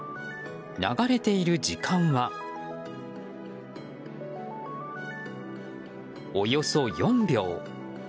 流れている時間は、およそ４秒。